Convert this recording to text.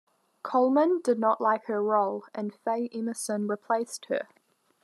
Coleman did not like her role and Faye Emerson replaced her.